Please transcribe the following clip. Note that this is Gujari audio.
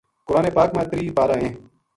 قرآن پاک ما تری پارہ ہیں۔